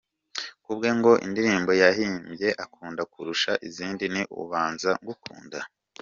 Kubwe ngo indirimbo yahimbye akunda kurusha izindi ni ‘Ubanza Ngukunda’.